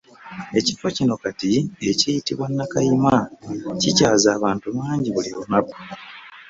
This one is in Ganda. Ekifo kino kati ekiyitibwa Nakayima kikyaza abantu bangi buli lunaku.